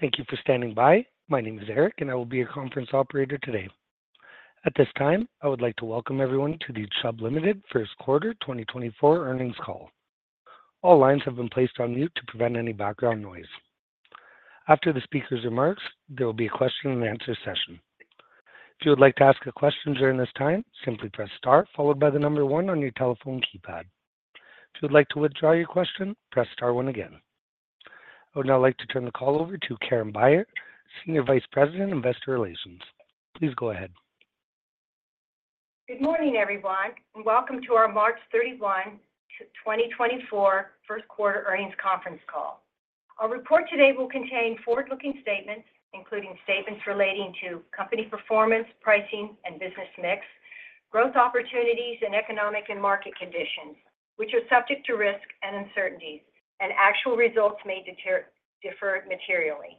Thank you for standing by. My name is Eric, and I will be your conference operator today. At this time, I would like to welcome everyone to the Chubb Limited First Quarter 2024 Earnings Call. All lines have been placed on mute to prevent any background noise. After the speaker's remarks, there will be a question-and-answer session. If you would like to ask a question during this time, simply press star followed by the number one on your telephone keypad. If you would like to withdraw your question, press star one again. I would now like to turn the call over to Karen Beyer, Senior Vice President, Investor Relations. Please go ahead. Good morning, everyone, and welcome to our March 31, 2024 first quarter earnings conference call. Our report today will contain forward-looking statements, including statements relating to company performance, pricing, and business mix, growth opportunities, and economic and market conditions, which are subject to risk and uncertainties, and actual results may differ materially.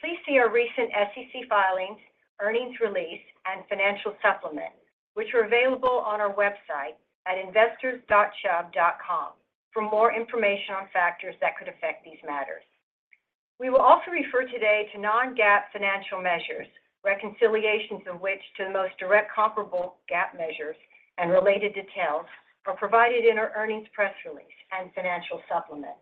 Please see our recent SEC filings, earnings release, and financial supplement, which are available on our website at investors.chubb.com for more information on factors that could affect these matters. We will also refer today to non-GAAP financial measures, reconciliations of which to the most direct comparable GAAP measures and related details are provided in our earnings press release and financial supplement.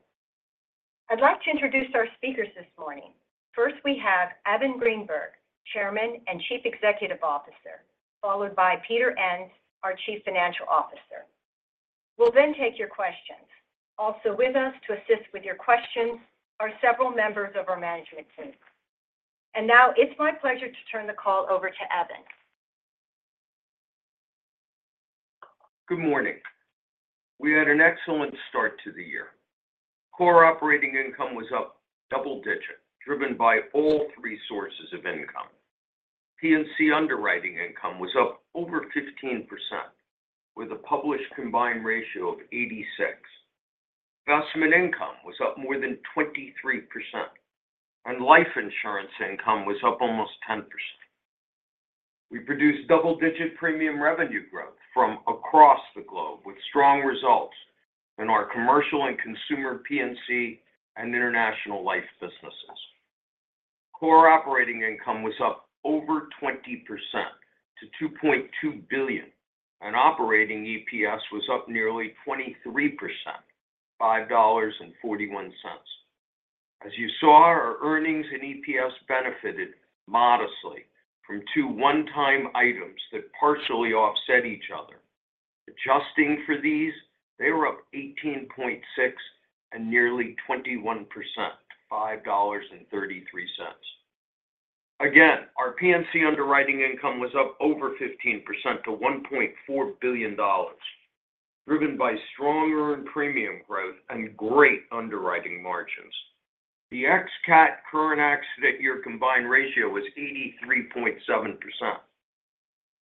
I'd like to introduce our speakers this morning. First, we have Evan Greenberg, Chairman and Chief Executive Officer, followed by Peter Enns, our Chief Financial Officer. We'll then take your questions. Also with us to assist with your questions are several members of our management team. Now it's my pleasure to turn the call over to Evan. Good morning. We had an excellent start to the year. Core operating income was up double-digit, driven by all three sources of income. P&C underwriting income was up over 15%, with a published combined ratio of 86. Investment income was up more than 23%, and life insurance income was up almost 10%. We produced double-digit premium revenue growth from across the globe, with strong results in our commercial and consumer P&C and international life businesses. Core operating income was up over 20% to $2.2 billion, and operating EPS was up nearly 23%, $5.41. As you saw, our earnings and EPS benefited modestly from two one-time items that partially offset each other. Adjusting for these, they were up 18.6% and nearly 21%, $5.33. Again, our P&C underwriting income was up over 15% to $1.4 billion, driven by stronger premium growth and great underwriting margins. The ex-CAT current accident year combined ratio was 83.7%.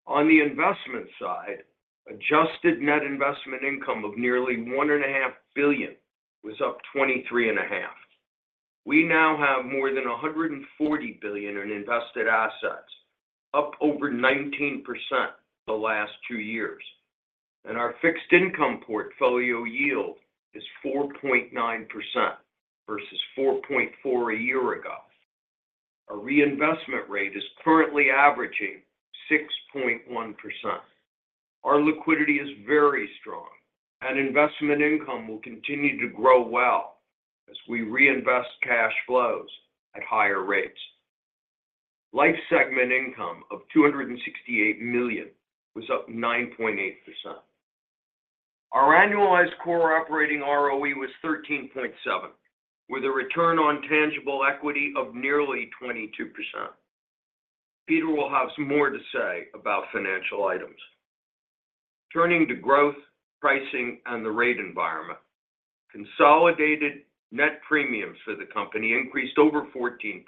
On the investment side, adjusted net investment income of nearly $1.5 billion was up 23.5. We now have more than $140 billion in invested assets, up over 19% the last two years, and our fixed income portfolio yield is 4.9% versus 4.4% a year ago. Our reinvestment rate is currently averaging 6.1%. Our liquidity is very strong, and investment income will continue to grow well as we reinvest cash flows at higher rates. Life segment income of $268 million was up 9.8%. Our annualized core operating ROE was 13.7%, with a return on tangible equity of nearly 22%. Peter will have some more to say about financial items. Turning to growth, pricing, and the rate environment, consolidated net premiums for the company increased over 14%.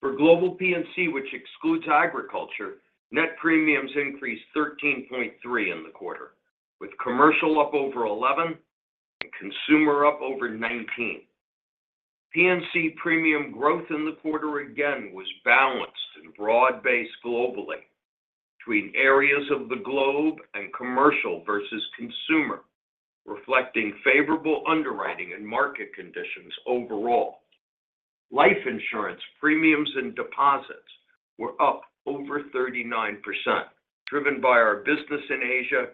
For global P&C, which excludes agriculture, net premiums increased 13.3% in the quarter, with commercial up over 11% and consumer up over 19%. P&C premium growth in the quarter again was balanced and broad-based globally between areas of the globe and commercial versus consumer, reflecting favorable underwriting and market conditions overall. Life insurance premiums and deposits were up over 39%, driven by our business in Asia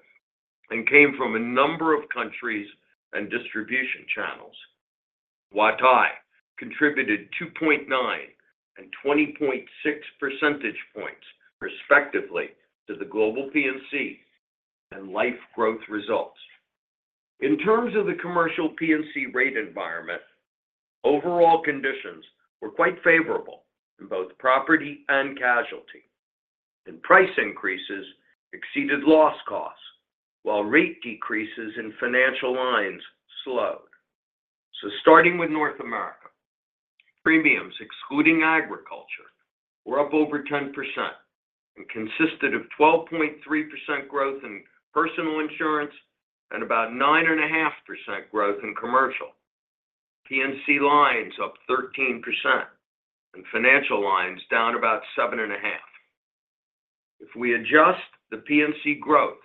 and came from a number of countries and distribution channels. Huatai contributed 2.9 and 20.6 percentage points, respectively, to the global P&C and life growth results. In terms of the commercial P&C rate environment, overall conditions were quite favorable in both property and casualty, and price increases exceeded loss costs, while rate decreases in financial lines slowed. So starting with North America, premiums, excluding agriculture, were up over 10% and consisted of 12.3% growth in personal insurance and about 9.5% growth in commercial. P&C lines up 13% and financial lines down about 7.5%. If we adjust the P&C growth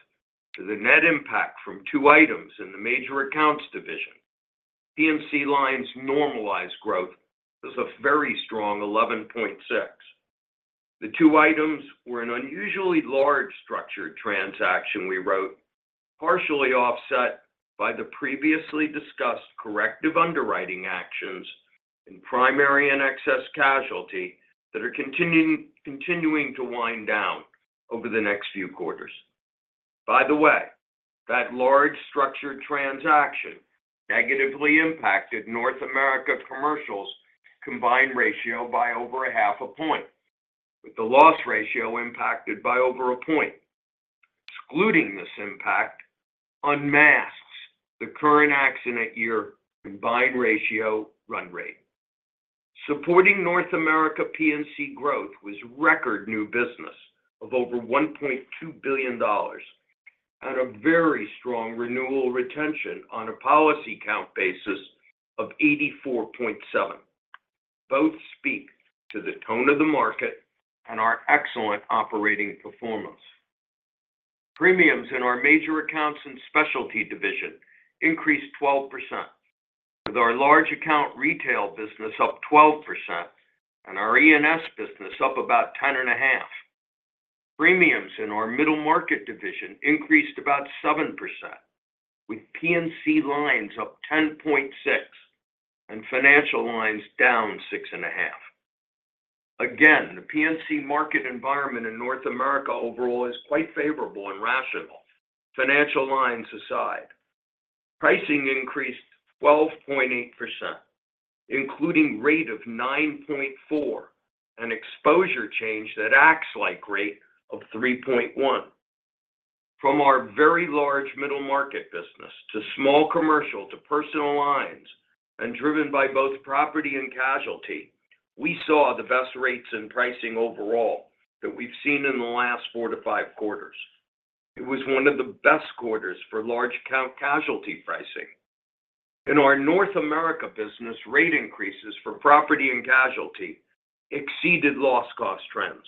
to the net impact from two items in the Major Accounts division, P&C lines normalized growth was a very strong 11.6%. The two items were an unusually large structured transaction we wrote, partially offset by the previously discussed corrective underwriting actions in primary and excess casualty that are continuing, continuing to wind down over the next few quarters. By the way, that large structured transaction negatively impacted North America Commercial's combined ratio by over 0.5 point, with the loss ratio impacted by over 1 point. Excluding this impact unmasks the current accident year combined ratio run rate. Supporting North America P&C growth was record new business of over $1.2 billion and a very strong renewal retention on a policy count basis of 84.7. Both speak to the tone of the market and our excellent operating performance. Premiums in our Major Accounts and Specialty division increased 12%, with our large account retail business up 12% and our E&S business up about 10.5%. Premiums in our Middle Market division increased about 7%, with P&C lines up 10.6% and financial lines down 6.5%. Again, the P&C market environment in North America overall is quite favorable and rational. Financial lines aside, pricing increased 12.8%, including rate of 9.4%, an exposure change that acts like rate of 3.1%. From our very large middle market business to small commercial to personal lines, and driven by both property and casualty, we saw the best rates in pricing overall that we've seen in the last four to five quarters. It was one of the best quarters for large account casualty pricing. In our North America business, rate increases for property and casualty exceeded loss cost trends,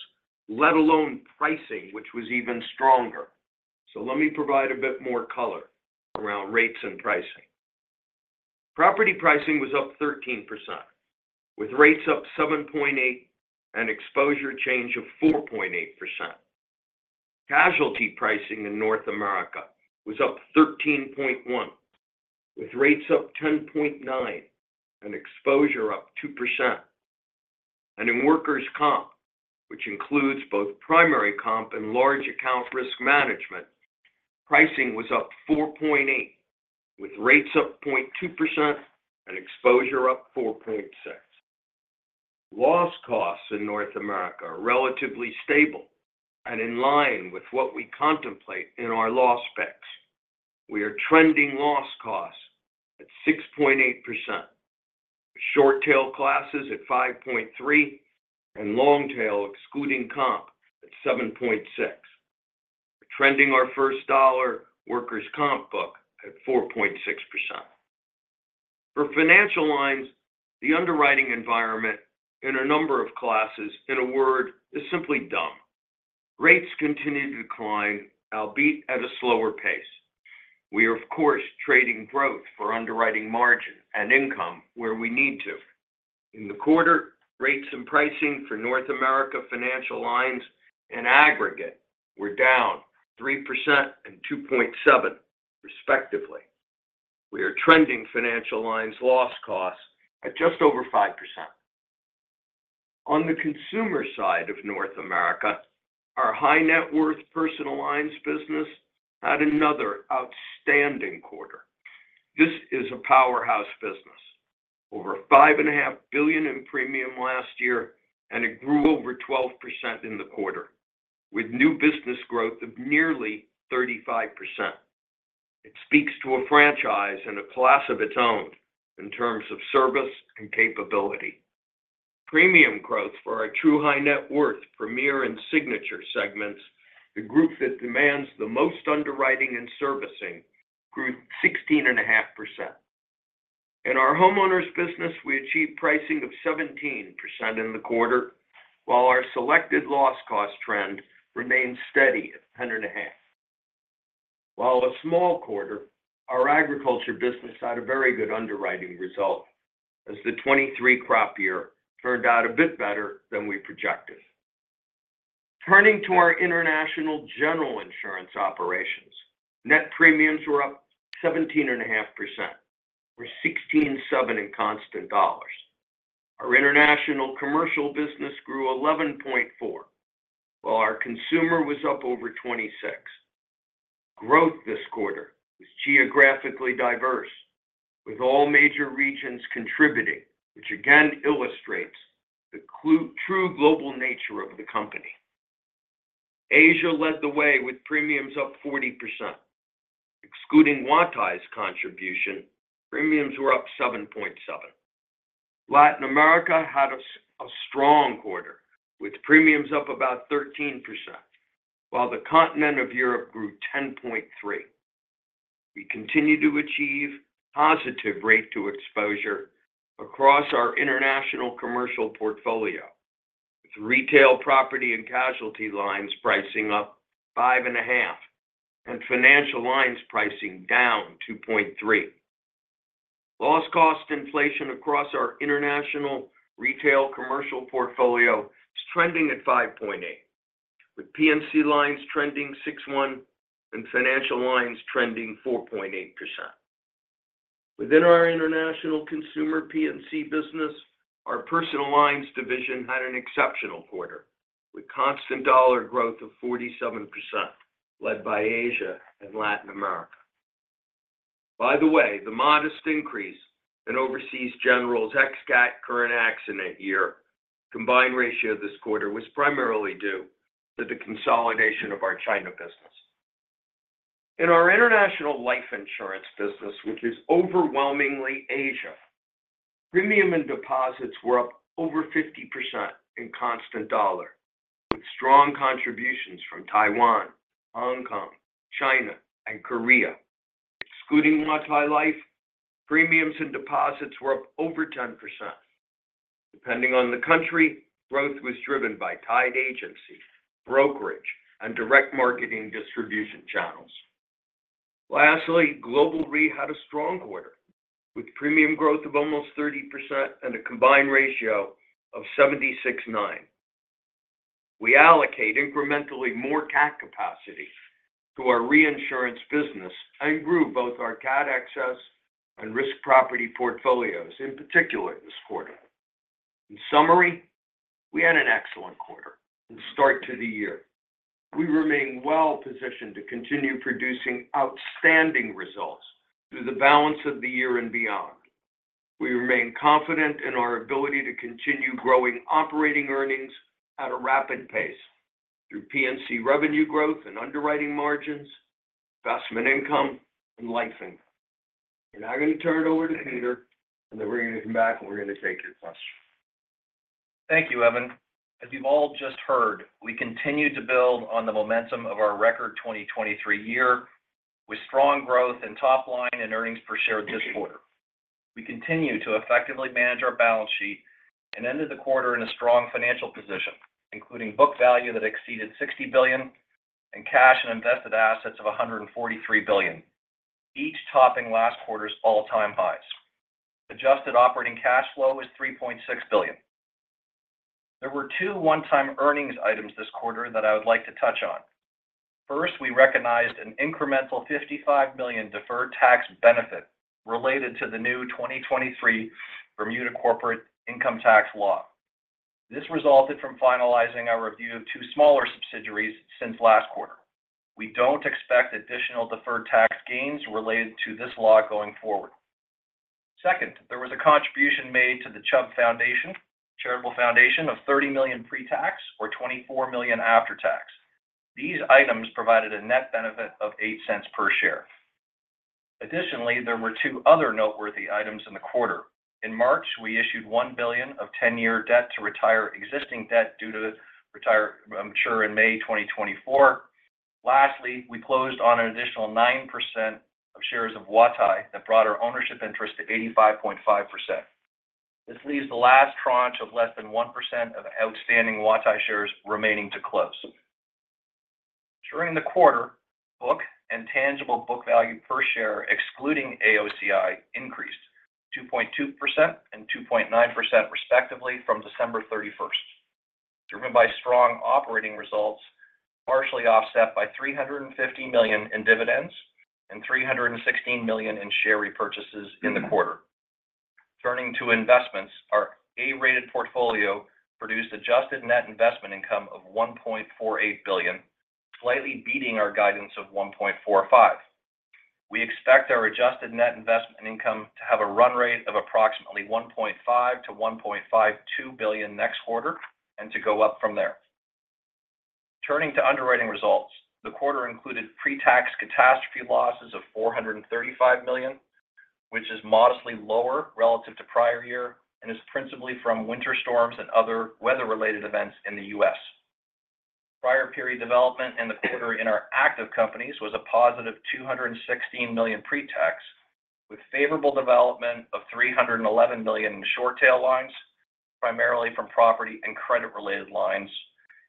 let alone pricing, which was even stronger. So let me provide a bit more color around rates and pricing. Property pricing was up 13%, with rates up 7.8% and exposure change of 4.8%. Casualty pricing in North America was up 13.1%, with rates up 10.9% and exposure up 2%. In workers' comp, which includes both primary comp and large account risk management, pricing was up 4.8%, with rates up 0.2% and exposure up 4.6%. Loss costs in North America are relatively stable and in line with what we contemplate in our loss picks. We are trending loss costs at 6.8%, short tail classes at 5.3%, and long tail, excluding comp, at 7.6%. We're trending our first dollar workers' comp book at 4.6%. For financial lines, the underwriting environment in a number of classes, in a word, is simply dumb. Rates continue to decline, albeit at a slower pace. We are, of course, trading growth for underwriting margin and income where we need to. In the quarter, rates and pricing for North America Financial lines in aggregate were down 3% and 2.7% respectively. We are trending financial lines loss costs at just over 5%. On the consumer side of North America, our high net worth personal lines business had another outstanding quarter. This is a powerhouse business. Over $5.5 billion in premium last year, and it grew over 12% in the quarter, with new business growth of nearly 35%. It speaks to a franchise and a class of its own in terms of service and capability. Premium growth for our true high net worth Premier and Signature segments, the group that demands the most underwriting and servicing, grew 16.5%. In our homeowners business, we achieved pricing of 17% in the quarter, while our selected loss cost trend remains steady at 1.5. While a small quarter, our agriculture business had a very good underwriting result, as the 2023 crop year turned out a bit better than we projected. Turning to our international general insurance operations, net premiums were up 17.5%, or 16.7% in constant dollars. Our international commercial business grew 11.4%, while our consumer was up over 26%. Growth this quarter was geographically diverse, with all major regions contributing, which again illustrates the true global nature of the company. Asia led the way with premiums up 40%. Excluding Huatai's contribution, premiums were up 7.7%. Latin America had a strong quarter, with premiums up about 13%, while the continent of Europe grew 10.3%. We continue to achieve positive rate to exposure across our international commercial portfolio, with retail property and casualty lines pricing up 5.5%, and financial lines pricing down 2.3%. Loss cost inflation across our international retail commercial portfolio is trending at 5.8%, with P&C lines trending 6.1% and financial lines trending 4.8%. Within our international consumer P&C business, our personal lines division had an exceptional quarter, with constant dollar growth of 47%, led by Asia and Latin America. By the way, the modest increase in Overseas General's ex-CAT current accident year combined ratio this quarter was primarily due to the consolidation of our China business. In our international life insurance business, which is overwhelmingly Asia, premium and deposits were up over 50% in constant dollar, with strong contributions from Taiwan, Hong Kong, China, and Korea. Excluding Huatai Life, premiums and deposits were up over 10%. Depending on the country, growth was driven by tied agency, brokerage, and direct marketing distribution channels. Lastly, Global Re had a strong quarter, with premium growth of almost 30% and a combined ratio of 76.9%. We allocate incrementally more CAT capacity to our reinsurance business and grew both our CAT excess and risk property portfolios, in particular this quarter. In summary, we had an excellent quarter and start to the year. We remain well-positioned to continue producing outstanding results through the balance of the year and beyond. We remain confident in our ability to continue growing operating earnings at a rapid pace through P&C revenue growth and underwriting margins, investment income, and life income. I'm now going to turn it over to Peter, and then we're going to come back, and we're going to take your questions. Thank you, Evan. As you've all just heard, we continued to build on the momentum of our record 2023 year, with strong growth in top line and earnings per share this quarter. We continue to effectively manage our balance sheet and ended the quarter in a strong financial position, including book value that exceeded $60 billion and cash and invested assets of $143 billion, each topping last quarter's all-time highs. Adjusted operating cash flow was $3.6 billion. There were two one-time earnings items this quarter that I would like to touch on. First, we recognized an incremental $55 million deferred tax benefit related to the new 2023 Bermuda Corporate Income Tax Law. This resulted from finalizing our review of two smaller subsidiaries since last quarter. We don't expect additional deferred tax gains related to this law going forward. Second, there was a contribution made to the Chubb Foundation, charitable foundation of $30 million pre-tax or $24 million after tax. These items provided a net benefit of $0.08 per share. Additionally, there were two other noteworthy items in the quarter. In March, we issued $1 billion of 10-year debt to retire existing debt due to retire, mature in May 2024. Lastly, we closed on an additional 9% of shares of Huatai that brought our ownership interest to 85.5%. This leaves the last tranche of less than 1% of outstanding Huatai shares remaining to close. During the quarter, book and tangible book value per share, excluding AOCI, increased 2.2% and 2.9% respectively from December 31st, driven by strong operating results, partially offset by $350 million in dividends and $316 million in share repurchases in the quarter. Turning to investments, our A-rated portfolio produced adjusted net investment income of $1.48 billion, slightly beating our guidance of $1.45 billion. We expect our adjusted net investment income to have a run rate of approximately $1.5 billion-$1.52 billion next quarter and to go up from there. Turning to underwriting results, the quarter included pre-tax catastrophe losses of $435 million, which is modestly lower relative to prior year and is principally from winter storms and other weather-related events in the U.S. Prior period development in the quarter in our active companies was a positive $216 million pre-tax, with favorable development of $311 million in short tail lines, primarily from property and credit-related lines,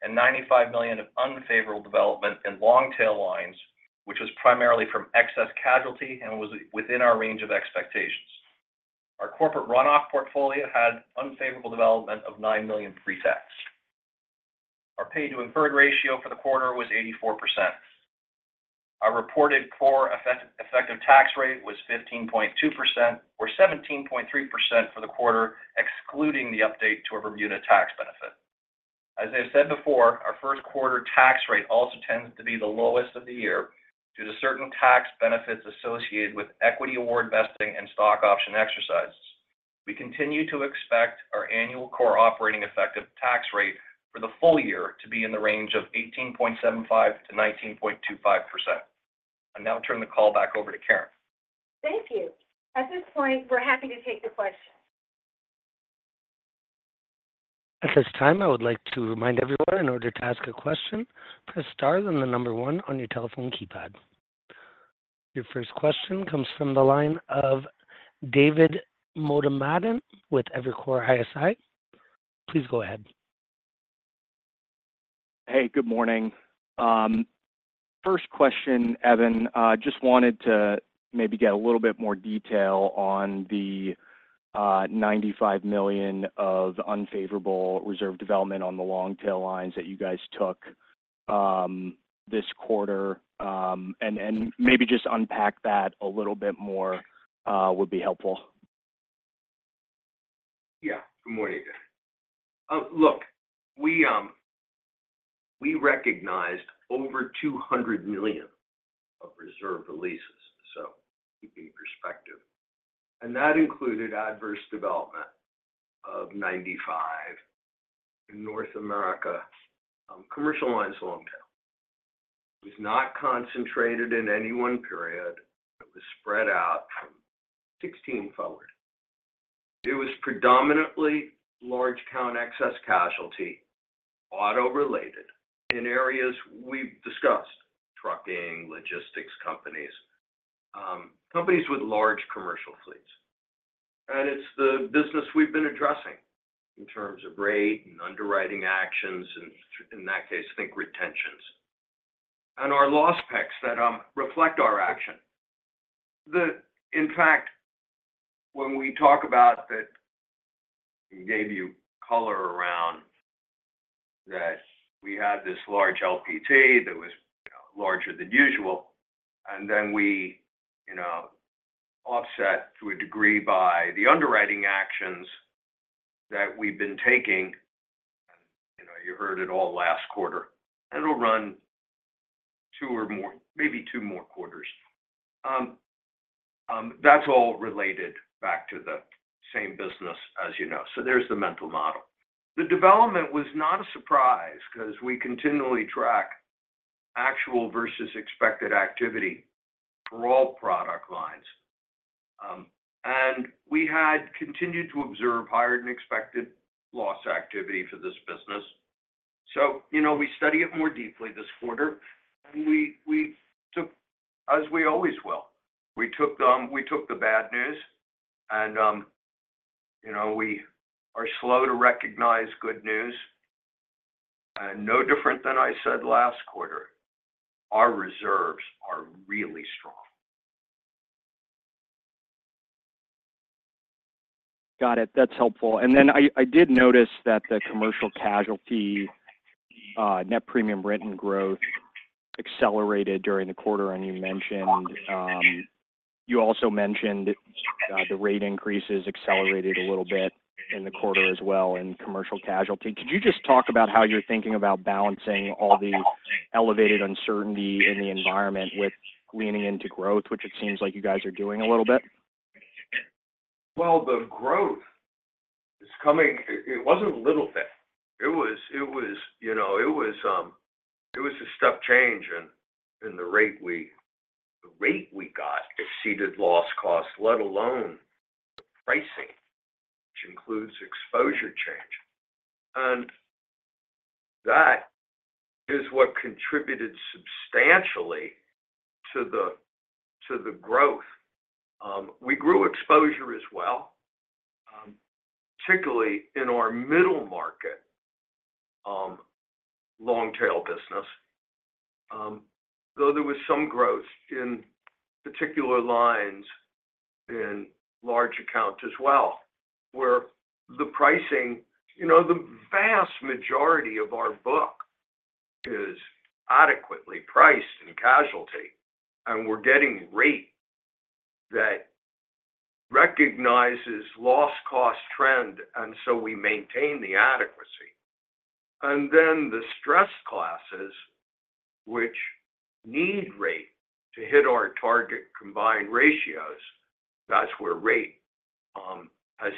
and $95 million of unfavorable development in long-tail lines, which was primarily from excess casualty and was within our range of expectations. Our corporate run-off portfolio had unfavorable development of $9 million pretax. Our paid-to-incurred ratio for the quarter was 84%. Our reported core effect, effective tax rate was 15.2%, or 17.3% for the quarter, excluding the update to our Bermuda tax benefit. As I said before, our first quarter tax rate also tends to be the lowest of the year due to certain tax benefits associated with equity award vesting and stock option exercises. We continue to expect our annual core operating effective tax rate for the full year to be in the range of 18.75%-19.25%. I now turn the call back over to Karen. Thank you. At this point, we're happy to take the questions. At this time, I would like to remind everyone, in order to ask a question, press star, then the number one on your telephone keypad. Your first question comes from the line of David Motemaden with Evercore ISI. Please go ahead. Hey, good morning. First question, Evan, I just wanted to maybe get a little bit more detail on the $95 million of unfavorable reserve development on the long tail lines that you guys took this quarter. And maybe just unpack that a little bit more would be helpful. Yeah. Good morning. Look, we recognized over $200 million of reserve releases, so keeping perspective, and that included adverse development of $95 million in North America commercial lines, long tail. It was not concentrated in any one period, it was spread out from 2016 forward. It was predominantly large account, excess casualty, auto-related in areas we've discussed, trucking, logistics companies, companies with large commercial fleets. And it's the business we've been addressing in terms of rate and underwriting actions, and in that case, think retentions. And our loss picks that reflect our action. In fact, when we talk about that, we gave you color around that we had this large LPT that was larger than usual, and then we, you know, offset to a degree by the underwriting actions that we've been taking, and, you know, you heard it all last quarter, and it'll run two or more, maybe two more quarters. That's all related back to the same business as you know. So there's the mental model. The development was not a surprise 'cause we continually track actual versus expected activity for all product lines. And we had continued to observe higher than expected loss activity for this business. So, you know, we study it more deeply this quarter, and we, we took, as we always will, we took, we took the bad news and, you know, we are slow to recognize good news. No different than I said last quarter, our reserves are really strong. Got it. That's helpful. And then I did notice that the commercial casualty net premium written growth accelerated during the quarter. And you mentioned, you also mentioned, the rate increases accelerated a little bit in the quarter as well in commercial casualty. Could you just talk about how you're thinking about balancing all the elevated uncertainty in the environment with leaning into growth, which it seems like you guys are doing a little bit? Well, the growth is coming. It wasn't a little bit. It was, you know, it was a step change in the rate we got exceeded loss cost, let alone pricing, which includes exposure change. And that is what contributed substantially to the growth. We grew exposure as well, particularly in our middle market long tail business, though there was some growth in particular lines in large accounts as well, where the pricing. You know, the vast majority of our book is adequately priced in casualty, and we're getting rate that recognizes loss cost trend, and so we maintain the adequacy. And then the stress classes, which need rate to hit our target combined ratios, that's where rate has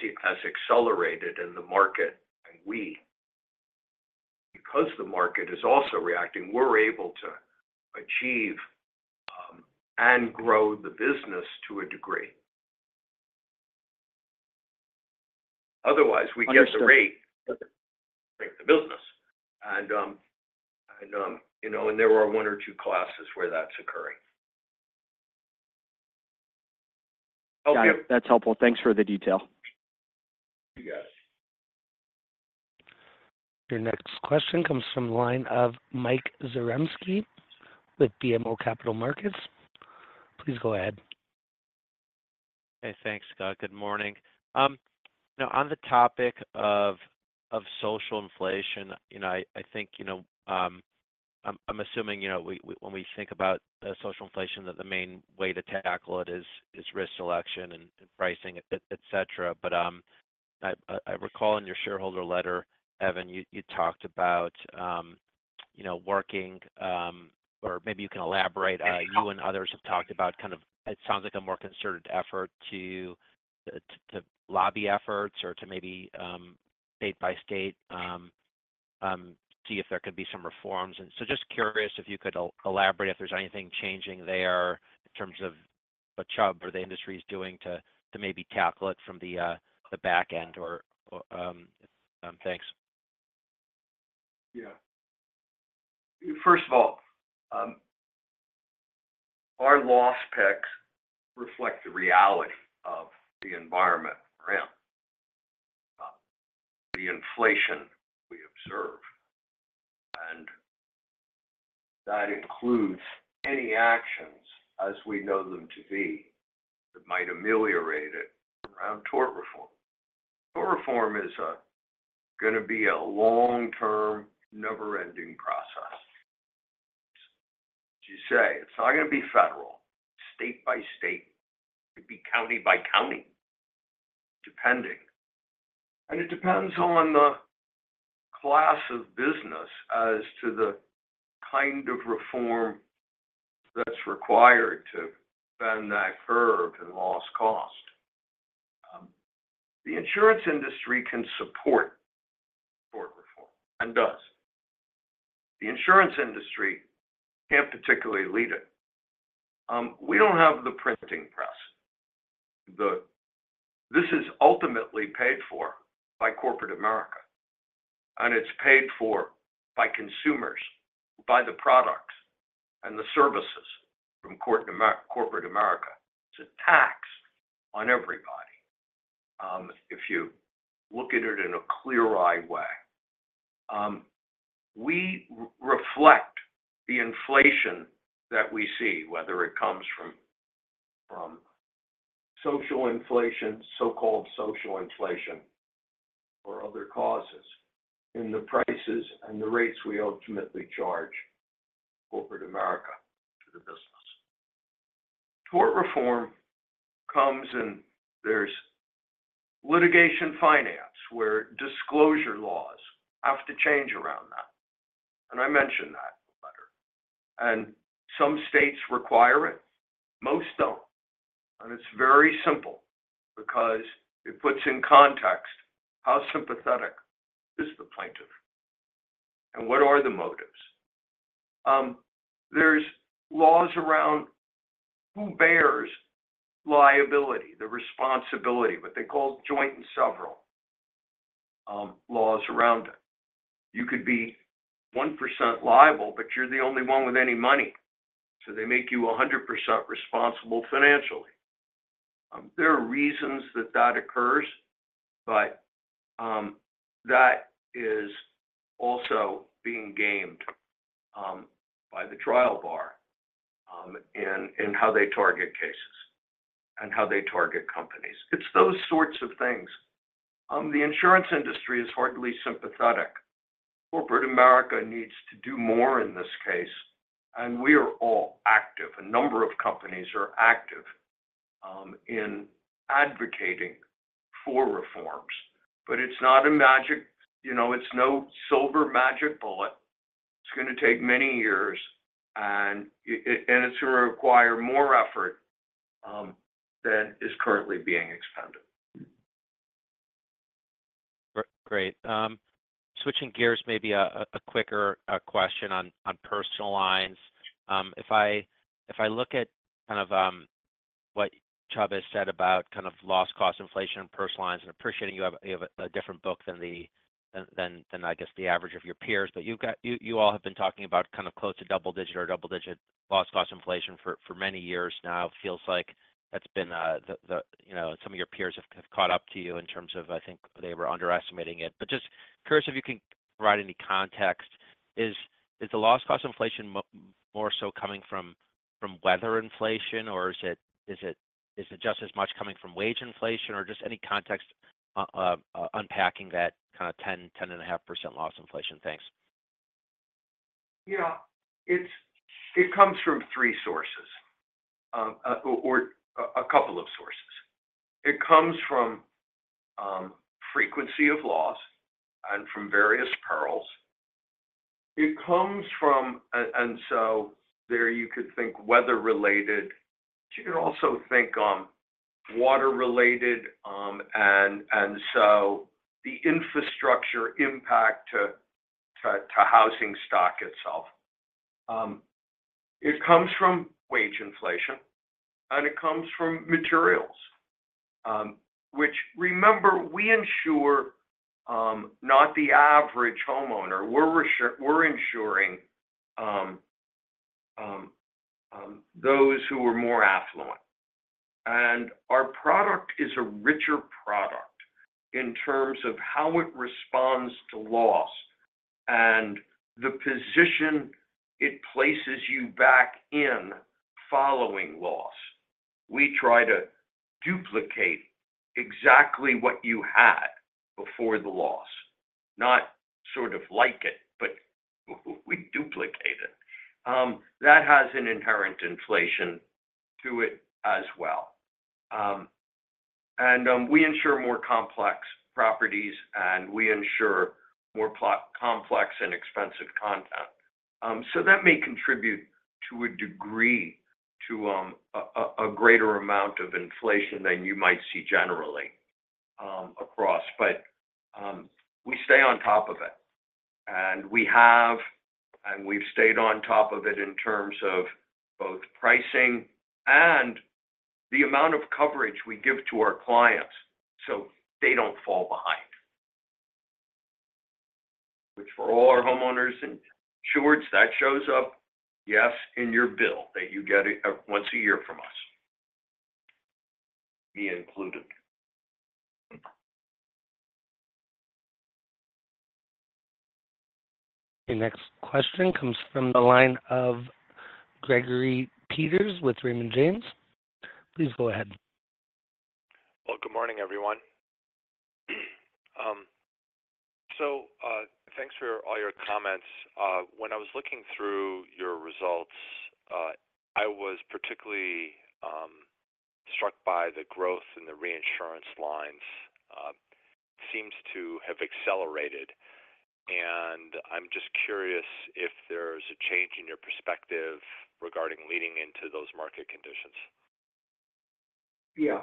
accelerated in the market. We, because the market is also reacting, we're able to achieve, and grow the business to a degree. Otherwise, we get the rate- Understood... the business. And you know, and there are one or two classes where that's occurring. Got it. Okay. That's helpful. Thanks for the detail. Thank you, guys. Your next question comes from the line of Mike Zaremski with BMO Capital Markets. Please go ahead. Hey, thanks, Scott. Good morning. Now on the topic of social inflation, you know, I think, you know, I'm assuming, you know, we—when we think about social inflation, that the main way to tackle it is risk selection and pricing, etc. But, I recall in your shareholder letter, Evan, you talked about, you know, working, or maybe you can elaborate. You and others have talked about kind of, it sounds like a more concerted effort to lobby efforts or to maybe state by state see if there could be some reforms. Just curious if you could elaborate, if there's anything changing there in terms of what Chubb or the industry is doing to maybe tackle it from the back end or... Thanks. Yeah. First of all, our loss picks reflect the reality of the environment around the inflation we observe, and that includes any actions as we know them to be that might ameliorate it around tort reform. Tort reform is gonna be a long-term, never-ending process. As you say, it's not gonna be federal, state by state. It could be county by county, depending. And it depends on the class of business as to the kind of reform that's required to bend that curve to loss cost. The insurance industry can support tort reform, and does. The insurance industry can't particularly lead it. We don't have the printing press. This is ultimately paid for by corporate America, and it's paid for by consumers, by the products and the services from corporate America. It's a tax on everybody, if you look at it in a clear-eyed way. We reflect the inflation that we see, whether it comes from social inflation, so-called social inflation, or other causes, in the prices and the rates we ultimately charge corporate America to the business. Tort reform comes, and there's litigation finance, where disclosure laws have to change around that, and I mentioned that in the letter. Some states require it, most don't. It's very simple because it puts in context, how sympathetic is the plaintiff, and what are the motives? There's laws around who bears liability, the responsibility, what they call joint and several, laws around it. You could be 1% liable, but you're the only one with any money, so they make you 100% responsible financially. There are reasons that that occurs, but, that is also being gamed, by the trial bar, in how they target cases and how they target companies. It's those sorts of things. The insurance industry is hardly sympathetic. Corporate America needs to do more in this case, and we are all active. A number of companies are active, in advocating for reforms, but it's not a magic... You know, it's no silver magic bullet. It's gonna take many years, and it's gonna require more effort, than is currently being expended. Great. Switching gears, maybe a quicker question on personal lines. If I look at kind of what Chubb has said about kind of loss cost inflation and personal lines, and appreciating you have a different book than the average of your peers. But you all have been talking about kind of close to double digit or double digit loss cost inflation for many years now. It feels like that's been you know, some of your peers have caught up to you in terms of I think they were underestimating it. But just curious, if you can provide any context. Is the loss cost inflation more so coming from weather inflation, or is it just as much coming from wage inflation, or just any context unpacking that kinda 10.5% loss inflation? Thanks. Yeah. It comes from three sources or a couple of sources. It comes from frequency of loss and from various perils. And so there you could think weather-related, but you could also think water-related, and so the infrastructure impact to housing stock itself. It comes from wage inflation, and it comes from materials, which, remember, we insure not the average homeowner. We're insuring those who are more affluent. And our product is a richer product in terms of how it responds to loss and the position it places you back in following loss. We try to duplicate exactly what you had before the loss. Not sort of like it, but we duplicate it. That has an inherent inflation to it as well. We insure more complex properties, and we insure more complex and expensive content. So that may contribute to a greater amount of inflation than you might see generally across. But we stay on top of it, and we have, and we've stayed on top of it in terms of both pricing and the amount of coverage we give to our clients, so they don't fall behind. Which for all our homeowners insureds, that shows up, yes, in your bill that you get once a year from us, me included. Your next question comes from the line of Gregory Peters with Raymond James. Please go ahead. Well, good morning, everyone. Thanks for all your comments. When I was looking through your results, I was particularly struck by the growth in the reinsurance lines. Seems to have accelerated, and I'm just curious if there's a change in your perspective regarding leading into those market conditions? Yeah.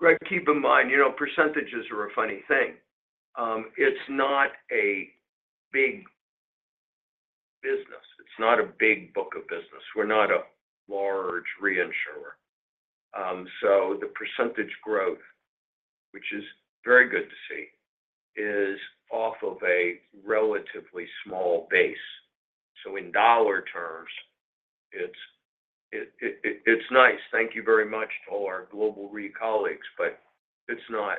Greg, keep in mind, you know, percentages are a funny thing. It's not a big business. It's not a big book of business. We're not a large reinsurer. So the percentage growth, which is very good to see, is off of a relatively small base. So in dollar terms, it's nice. Thank you very much to all our Global Re colleagues, but it's not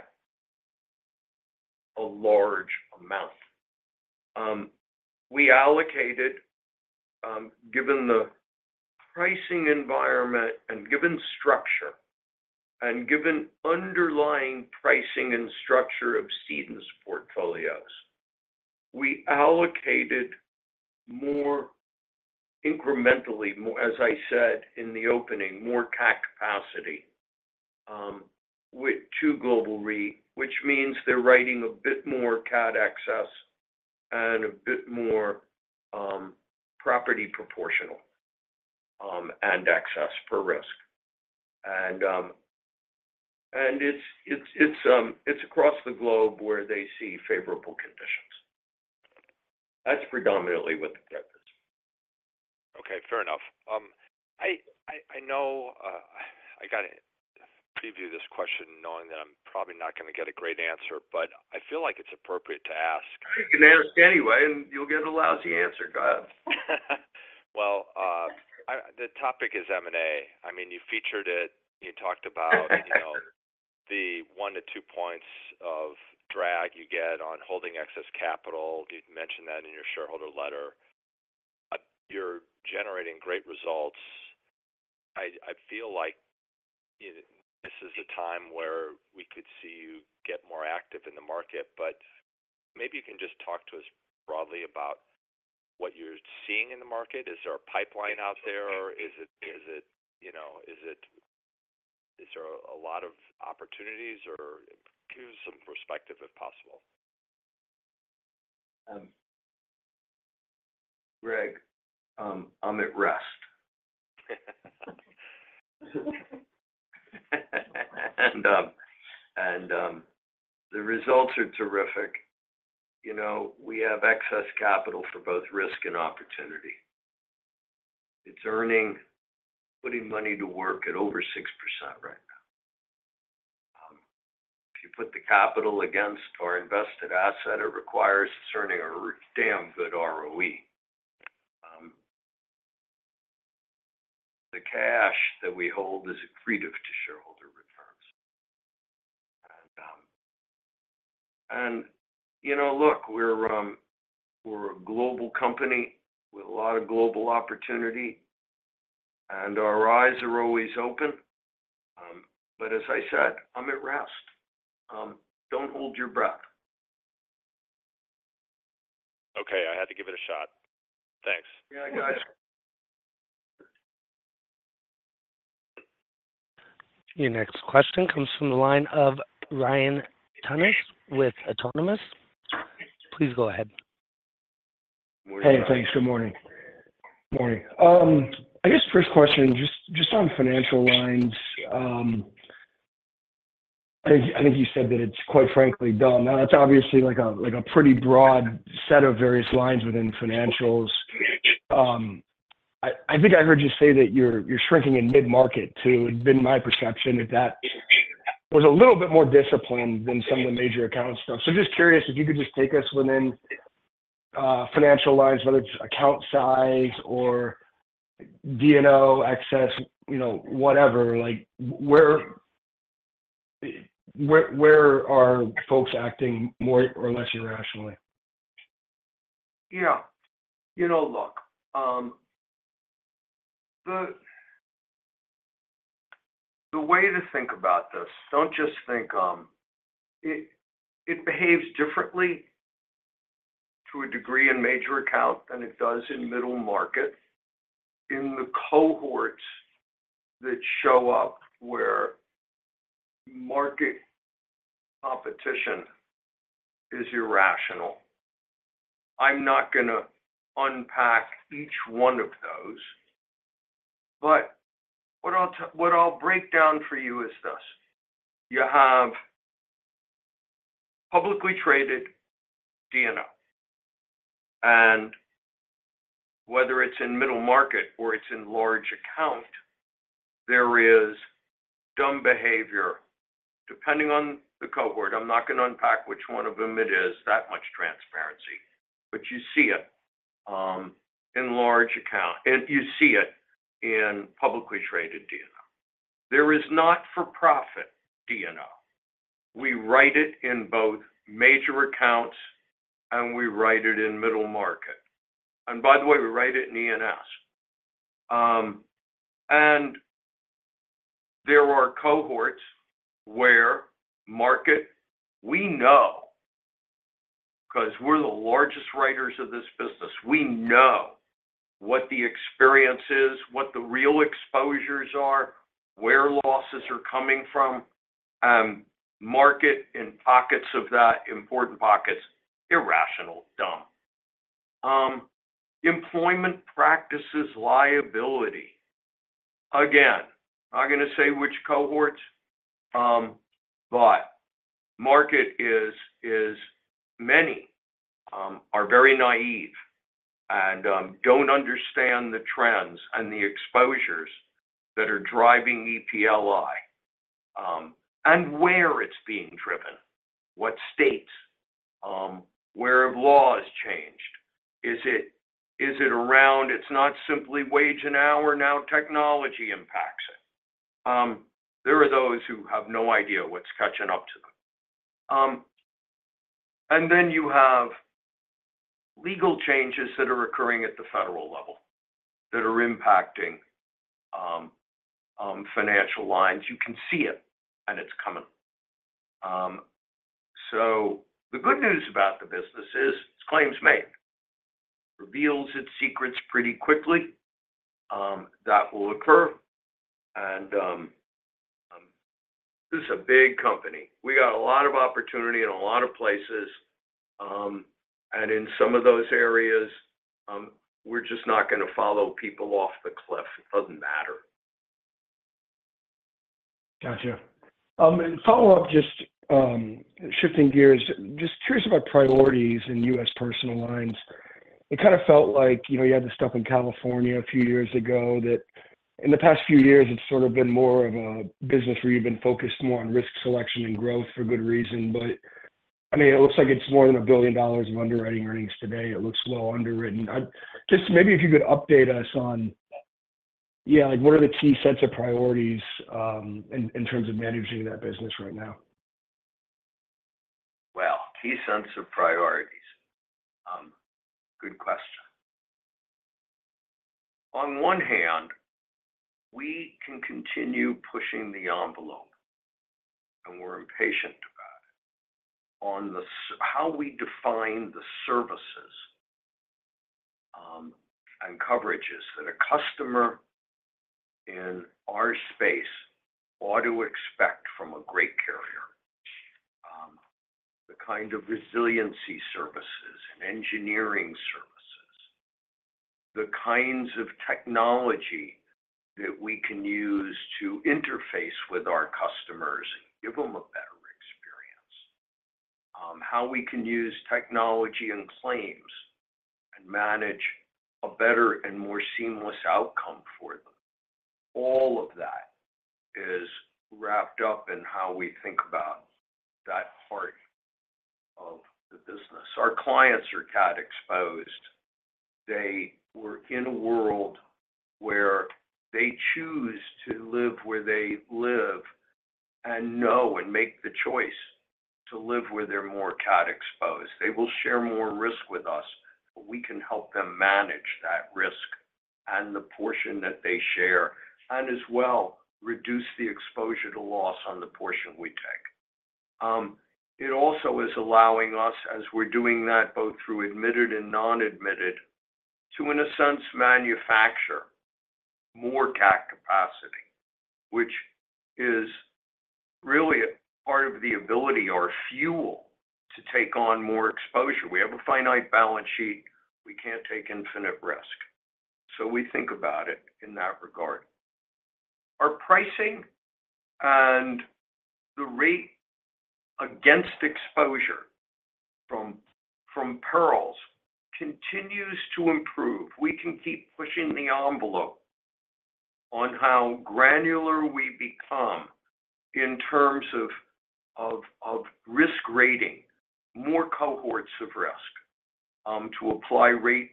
a large amount. We allocated, given the pricing environment and given structure, and given underlying pricing and structure of cedents' portfolios, we allocated more incrementally, as I said in the opening, more CAT capacity with to Global Re, which means they're writing a bit more CAT excess and a bit more property proportional and excess per risk. And it's across the globe where they see favorable conditions. That's predominantly what the difference is. Okay, fair enough. I know I got to preview this question knowing that I'm probably not going to get a great answer, but I feel like it's appropriate to ask. You can ask anyway, and you'll get a lousy answer. Go ahead. Well, the topic is M&A. I mean, you featured it, you talked about, you know, the 1-2 points of drag you get on holding excess capital. You mentioned that in your shareholder letter. You're generating great results. I feel like this is a time where we could see you get more active in the market, but maybe you can just talk to us broadly about what you're seeing in the market. Is there a pipeline out there, or is it, you know, is there a lot of opportunities or? Give us some perspective, if possible. Greg, I'm at rest. And, the results are terrific. You know, we have excess capital for both risk and opportunity. It's earning, putting money to work at over 6% right now. If you put the capital against our invested asset, it requires it's earning a really damn good ROE. The cash that we hold is accretive to shareholder returns. And, you know, look, we're a global company with a lot of global opportunity, and our eyes are always open. But as I said, I'm at rest. Don't hold your breath. Okay, I had to give it a shot. Thanks. Yeah, got it. Your next question comes from the line of Ryan Tunis with Autonomous. Please go ahead. Hey, thanks. Good morning. Morning. I guess first question, just on financial lines. I think you said that it's quite frankly done. Now, that's obviously like a pretty broad set of various lines within financials. I think I heard you say that you're shrinking in mid-market too. It's been my perception that that was a little bit more disciplined than some of the major account stuff. So just curious if you could just take us within financial lines, whether it's account size or D&O, excess, you know, whatever, like, where are folks acting more or less irrationally? Yeah. You know, look, the way to think about this, don't just think... It behaves differently to a degree in major account than it does in middle market, in the cohorts that show up where market competition is irrational. I'm not gonna unpack each one of those, but what I'll tell, what I'll break down for you is this: you have publicly traded D&O, and whether it's in middle market or it's in large account, there is dumb behavior, depending on the cohort. I'm not going to unpack which one of them it is, that much transparency, but you see it in large account, and you see it in publicly traded D&O. There is not-for-profit D&O. We write it in both major accounts, and we write it in middle market. And by the way, we write it in E&S. And there are cohorts where the market, we know, because we're the largest writers of this business, we know what the experience is, what the real exposures are, where losses are coming from, the market in pockets of that, important pockets, irrational, dumb. Employment practices liability. Again, not going to say which cohorts, but the market is, many are very naive and don't understand the trends and the exposures that are driving EPLI, and where it's being driven, what states, where have laws changed? Is it, is it around, it's not simply wage and hour, now technology impacts it. There are those who have no idea what's catching up to them. And then you have legal changes that are occurring at the federal level that are impacting financial lines. You can see it, and it's coming. So the good news about the business is it's claims-made. It reveals its secrets pretty quickly. That will occur, and this is a big company. We got a lot of opportunity in a lot of places, and in some of those areas, we're just not going to follow people off the cliff. It doesn't matter. Got you. And follow up, just shifting gears, just curious about priorities in U.S. personal lines. It kind of felt like, you know, you had this stuff in California a few years ago, that in the past few years, it's sort of been more of a business where you've been focused more on risk selection and growth for good reason. But I mean, it looks like it's more than $1 billion of underwriting earnings today. It looks well underwritten. Just maybe if you could update us on, yeah, like, what are the key sets of priorities in terms of managing that business right now? Well, key sets of priorities, good question. On one hand, we can continue pushing the envelope, and we're impatient about it, on how we define the services, and coverages that a customer in our space ought to expect from a great carrier. The kind of resiliency services and engineering services, the kinds of technology that we can use to interface with our customers and give them a better experience, how we can use technology and claims and manage a better and more seamless outcome for them. All of that is wrapped up in how we think about that heart of the business. Our clients are CAT-exposed. They were in a world where they choose to live, where they live, and know and make the choice to live where they're more CAT-exposed. They will share more risk with us, but we can help them manage that risk and the portion that they share, and as well, reduce the exposure to loss on the portion we take. It also is allowing us, as we're doing that, both through admitted and non-admitted, to, in a sense, manufacture more CAT capacity, which is really a part of the ability or fuel to take on more exposure. We have a finite balance sheet, we can't take infinite risk, so we think about it in that regard. Our pricing and the rate against exposure from perils continues to improve. We can keep pushing the envelope on how granular we become in terms of risk rating, more cohorts of risk, to apply rate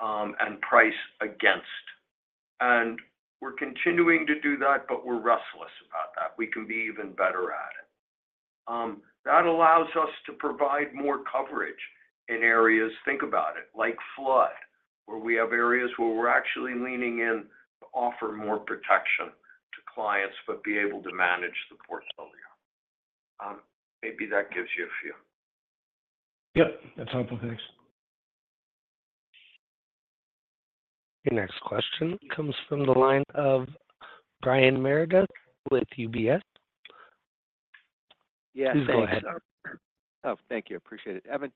and price against. We're continuing to do that, but we're restless about that. We can be even better at it. That allows us to provide more coverage in areas, think about it, like flood, where we have areas where we're actually leaning in to offer more protection to clients, but be able to manage the portfolio. Maybe that gives you a few. Yep, that's helpful. Thanks. Your next question comes from the line of Brian Meredith with UBS. Yeah. Please go ahead. Oh, thank you. Appreciate it. Evan,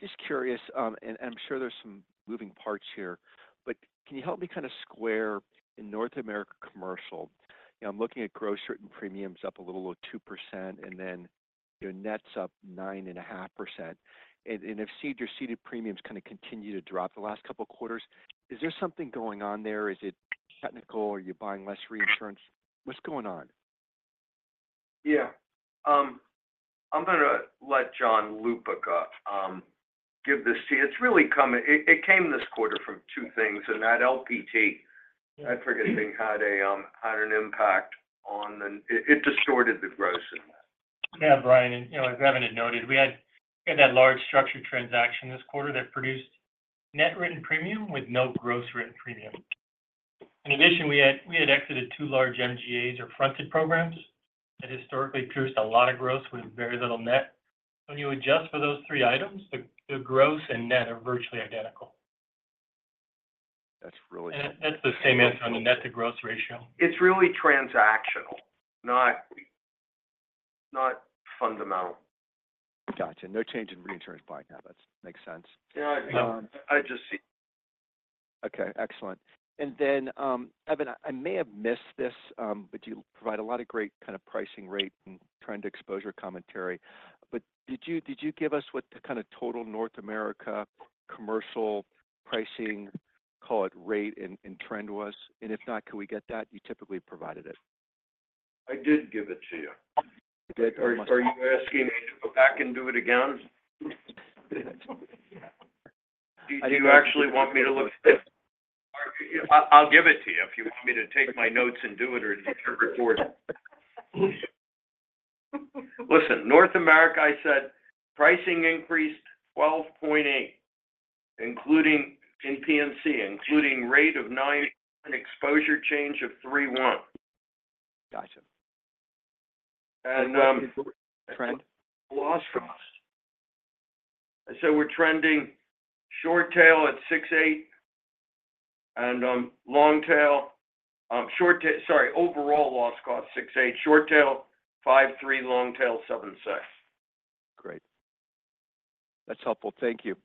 just curious, and I'm sure there's some moving parts here, but can you help me kind of square in North America Commercial? You know, I'm looking at gross written premiums up a little over 2%, and then your nets up 9.5%. And I've seen your ceded premiums kind of continue to drop the last couple of quarters. Is there something going on there? Is it technical? Are you buying less reinsurance? What's going on? Yeah. I'm going to let John Lupica give this to you. It's really coming-- It, it came this quarter from two things, and that LPT, I forget, I think, had a had an impact on the... It, it distorted the gross in that. Yeah, Brian, and, you know, as Evan had noted, we had that large structured transaction this quarter that produced net written premium with no gross written premium. In addition, we had exited two large MGAs or fronted programs that historically produced a lot of gross with very little net. When you adjust for those three items, the gross and net are virtually identical. That's really- That's the same answer on the net to gross ratio. It's really transactional, not, not fundamental. Got you. No change in reinsurance by now. That makes sense. Yeah, I just see. Okay, excellent. And then, Evan, I may have missed this, but you provide a lot of great kind of pricing rate and trend exposure commentary. But did you, did you give us what the kind of total North America commercial pricing, call it, rate and, and trend was? And if not, can we get that? You typically provided it. I did give it to you. You did. Are you asking me to go back and do it again? Do you actually want me to look at it? I'll give it to you if you want me to take my notes and do it or take your report. Listen, North America, I said pricing increased 12.8, including in P&C, including rate of 9, exposure change of 3.1. Got you. And, um- Trend. Loss for us. I said we're trending short tail at 6.8, and long tail, short tail—sorry, overall loss cost 6.8, short tail 5.3, long tail 7.6. Great. That's helpful. Thank you.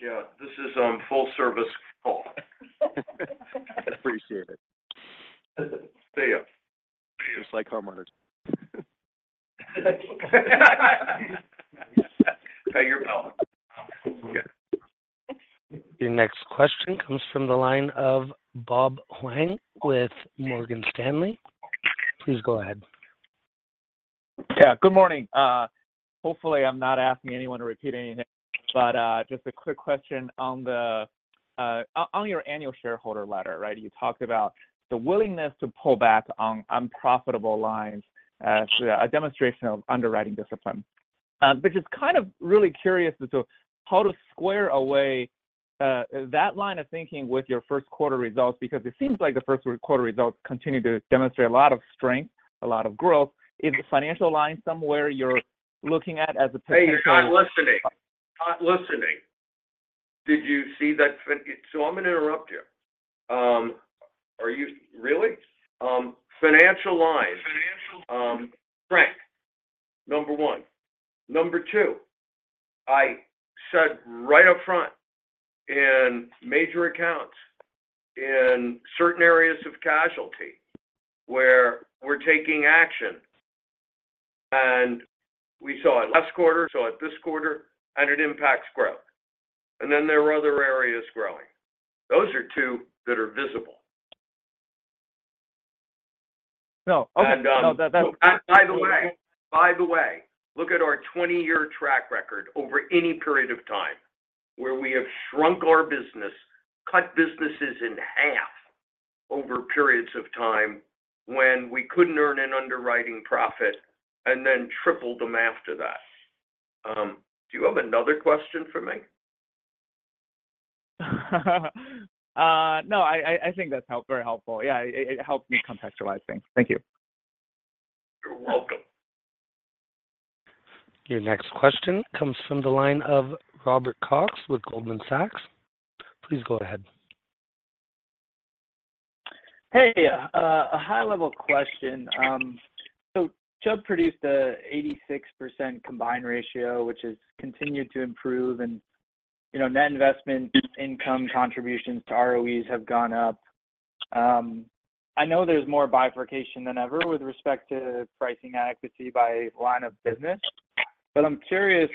Yeah. This is full service call. Appreciate it. See you. See you. Just like homeowners. Now, you're welcome. Okay. Your next question comes from the line of Bob Huang with Morgan Stanley. Please go ahead. Yeah, good morning. Hopefully, I'm not asking anyone to repeat anything, but just a quick question on your annual shareholder letter, right? You talked about the willingness to pull back on unprofitable lines, a demonstration of underwriting discipline. But just kind of really curious as to how to square away that line of thinking with your first quarter results, because it seems like the first quarter results continue to demonstrate a lot of strength, a lot of growth. Is the financial line somewhere you're looking at as a- Hey, you're not listening. Not listening. Did you see that? So I'm going to interrupt you. Are you really? Financial lines, Frank, number one. Number two, I said right up front in major accounts, in certain areas of casualty, where we're taking action, and we saw it last quarter, saw it this quarter, and it impacts growth. And then there are other areas growing. Those are two that are visible. No, okay. By the way, by the way, look at our 20-year track record over any period of time where we have shrunk our business, cut businesses in half over periods of time when we couldn't earn an underwriting profit and then tripled them after that. Do you have another question for me? No, I think that's very helpful. Yeah, it helps me contextualize things. Thank you. You're welcome. Your next question comes from the line of Robert Cox with Goldman Sachs. Please go ahead. Hey, a high-level question. So Chubb produced an 86% combined ratio, which has continued to improve, and, you know, net investment income contributions to ROEs have gone up. I know there's more bifurcation than ever with respect to pricing adequacy by line of business, but I'm curious,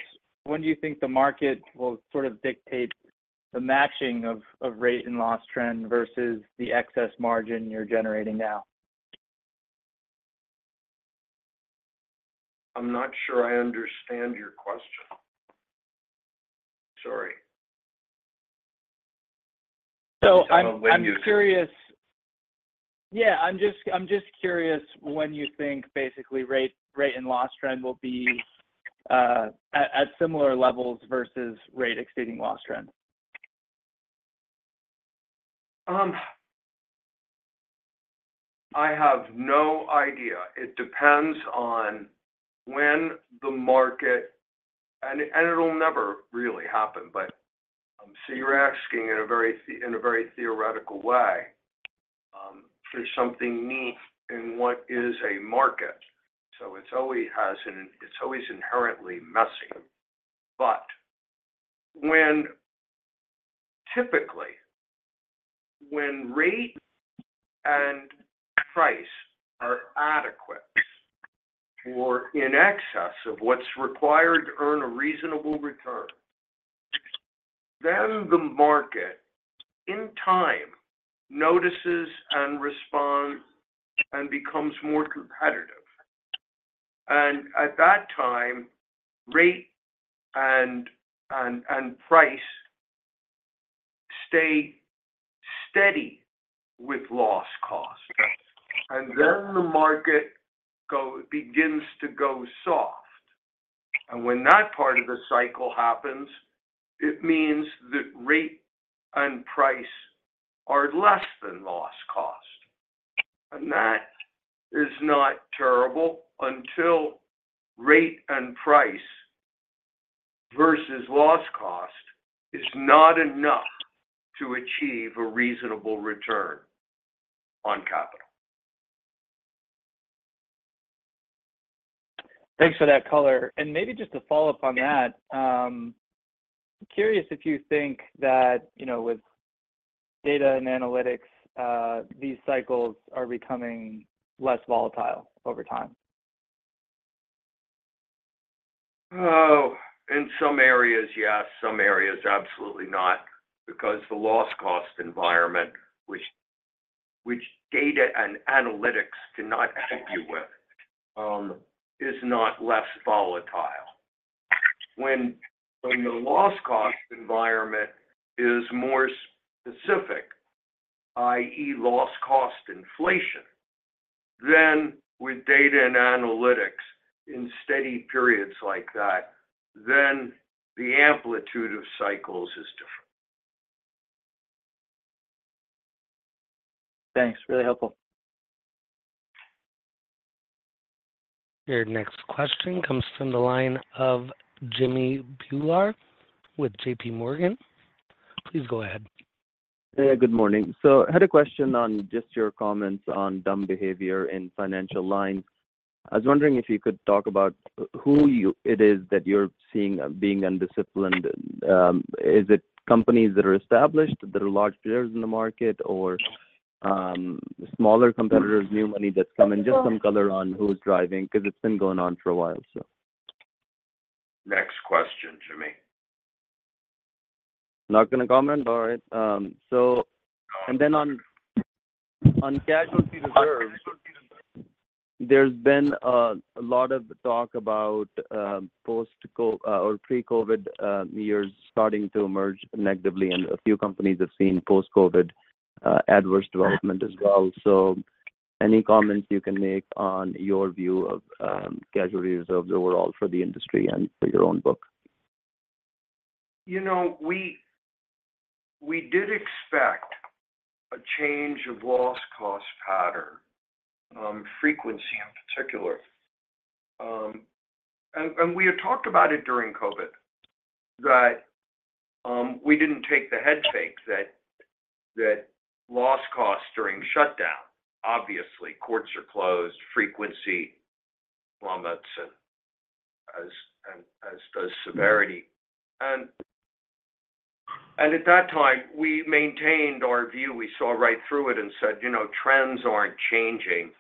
when do you think the market will sort of dictate the matching of rate and loss trend versus the excess margin you're generating now? I'm not sure I understand your question. Sorry. So I'm curious. Yeah, I'm just curious when you think basically rate and loss trend will be at similar levels versus rate exceeding loss trend? I have no idea. It depends on when the market, and, and it'll never really happen, but, so you're asking in a very theoretical way, for something neat and what is a market. So it's always inherently messy. But when, typically, when rate and price are adequate or in excess of what's required to earn a reasonable return, then the market, in time, notices and responds and becomes more competitive. And at that time, rate and price stay steady with loss cost, and then the market begins to go soft. And when that part of the cycle happens, it means that rate and price are less than loss cost. And that is not terrible until rate and price versus loss cost is not enough to achieve a reasonable return on capital. Thanks for that color. Maybe just to follow up on that, curious if you think that, you know, with data and analytics, these cycles are becoming less volatile over time? Oh, in some areas, yes. Some areas, absolutely not, because the loss cost environment, which data and analytics cannot help you with, is not less volatile. When the loss cost environment is more specific, i.e., loss cost inflation, then with data and analytics in steady periods like that, then the amplitude of cycles is different. Thanks. Really helpful. Your next question comes from the line of Jimmy Bhullar with J.P. Morgan. Please go ahead. Hey, good morning. So I had a question on just your comments on dumb behavior in financial lines. I was wondering if you could talk about who it is that you're seeing being undisciplined. Is it companies that are established, that are large players in the market, or smaller competitors, new money that's coming? Just some color on who's driving, 'cause it's been going on for a while. Next question, Jimmy. Not gonna comment? All right. So- No. And then on casualty reserves, there's been a lot of talk about post-COVID or pre-COVID years starting to emerge negatively, and a few companies have seen post-COVID adverse development as well. So any comments you can make on your view of casualty reserves overall for the industry and for your own book? You know, we did expect a change of loss cost pattern, frequency in particular. And we had talked about it during COVID, that we didn't take the head fake that loss costs during shutdown. Obviously, courts are closed, frequency plummets, and as does severity. And at that time, we maintained our view. We saw right through it and said, "You know, trends aren't changing,"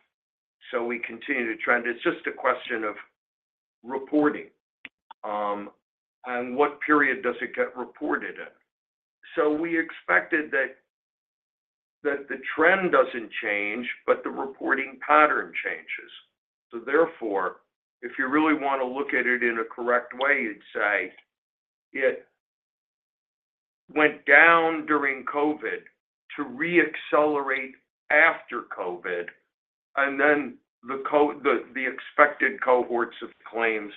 so we continued to trend. It's just a question of reporting, and what period does it get reported in? So we expected that the trend doesn't change, but the reporting pattern changes. So therefore, if you really want to look at it in a correct way, you'd say it went down during COVID to reaccelerate after COVID, and then the expected cohorts of claims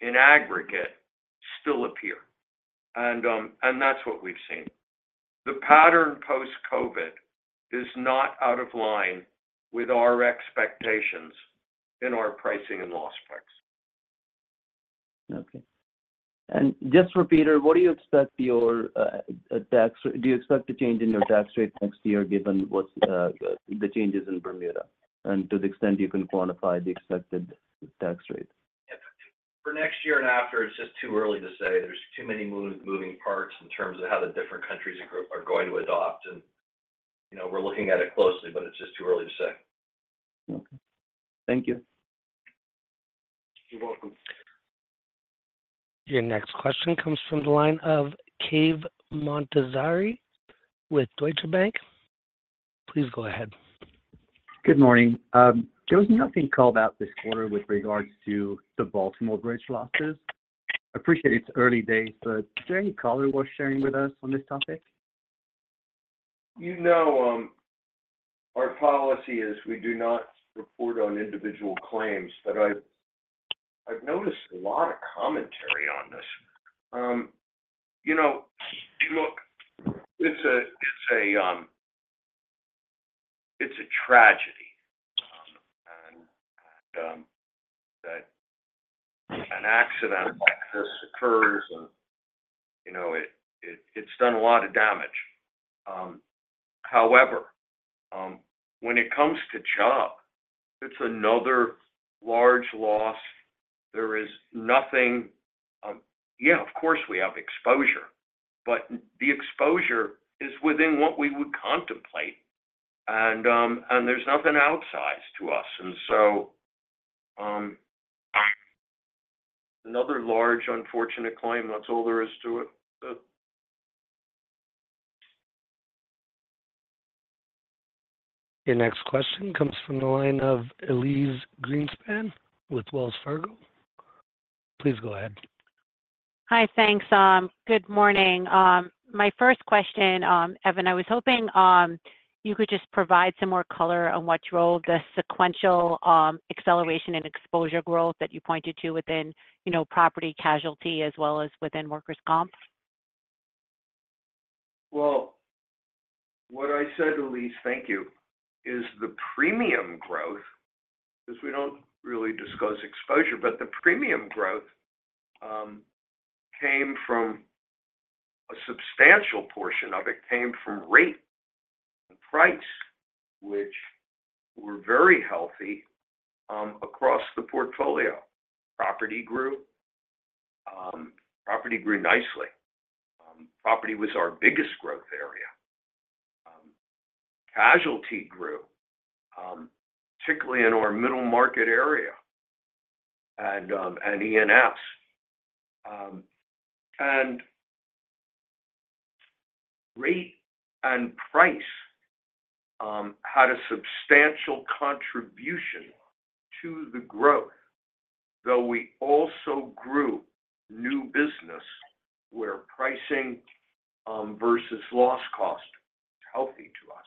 in aggregate still appear. And that's what we've seen. The pattern post-COVID is not out of line with our expectations in our pricing and loss effects. Okay. And just for Peter, do you expect a change in your tax rate next year, given the changes in Bermuda? And to the extent you can quantify the expected tax rate. For next year and after, it's just too early to say. There's too many moving parts in terms of how the different countries are going to adopt, and, you know, we're looking at it closely, but it's just too early to say. Okay. Thank you. You're welcome. Your next question comes from the line of Cave Montazeri with Deutsche Bank. Please go ahead. Good morning. There was nothing called out this quarter with regards to the Baltimore bridge losses. I appreciate it's early days, but is there any color worth sharing with us on this topic? You know, our policy is we do not report on individual claims, but I've noticed a lot of commentary on this. You know, look, it's a tragedy and that an accident like this occurs and, you know, it's done a lot of damage. However, when it comes to Chubb, it's another large loss. There is nothing. Yeah, of course, we have exposure, but the exposure is within what we would contemplate, and there's nothing outsized to us, and so, another large unfortunate claim, that's all there is to it. Your next question comes from the line of Elyse Greenspan with Wells Fargo. Please go ahead. Hi. Thanks, good morning. My first question, Evan, I was hoping you could just provide some more color on what drove the sequential acceleration and exposure growth that you pointed to within, you know, property casualty as well as within workers' comp? Well, what I said, Elyse, thank you, is the premium growth, 'cause we don't really discuss exposure, but the premium growth came from a substantial portion of it, came from rate and price, which were very healthy across the portfolio. Property grew. Property grew nicely. Property was our biggest growth area. Casualty grew, particularly in our middle market area and E&S. And rate and price had a substantial contribution to the growth, though we also grew new business where pricing versus loss cost is healthy to us.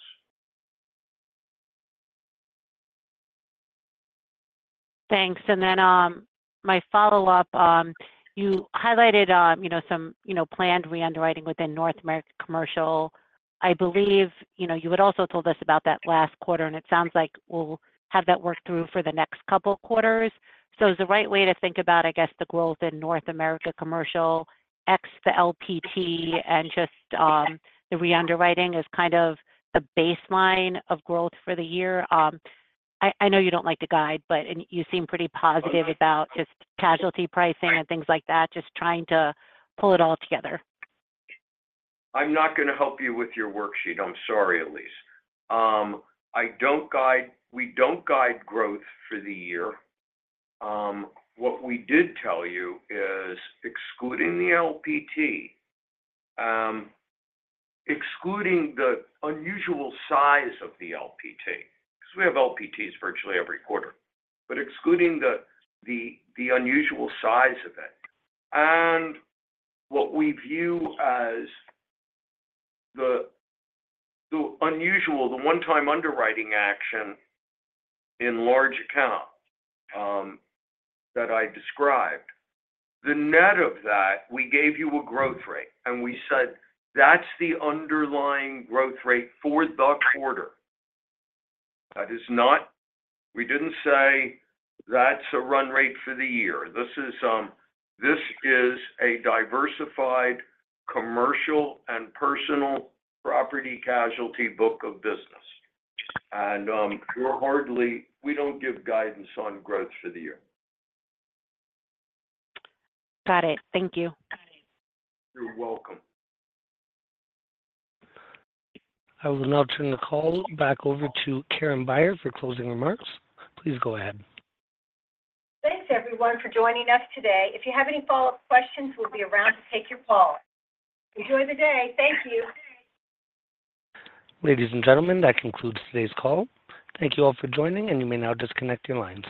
Thanks. And then, my follow-up, you highlighted, you know, some, you know, planned reunderwriting within North America Commercial. I believe, you know, you had also told us about that last quarter, and it sounds like we'll have that worked through for the next couple quarters. So is the right way to think about, I guess, the growth in North America Commercial, ex the LPT and just, the reunderwriting as kind of the baseline of growth for the year? I know you don't like to guide, but, and you seem pretty positive- Oh, I- about just casualty pricing and things like that. Just trying to pull it all together. I'm not going to help you with your worksheet. I'm sorry, Elyse. We don't guide growth for the year. What we did tell you is excluding the LPT, excluding the unusual size of the LPT, 'cause we have LPTs virtually every quarter, but excluding the unusual size of it and what we view as the unusual one-time underwriting action in large account that I described, the net of that, we gave you a growth rate, and we said that's the underlying growth rate for the quarter. That is not. We didn't say that's a run rate for the year. This is a diversified commercial and personal property casualty book of business, and we're hardly... We don't give guidance on growth for the year. Got it. Thank you. You're welcome. I will now turn the call back over to Karen Beyer for closing remarks. Please go ahead. Thanks, everyone, for joining us today. If you have any follow-up questions, we'll be around to take your call. Enjoy the day. Thank you. Ladies and gentlemen, that concludes today's call. Thank you all for joining, and you may now disconnect your lines.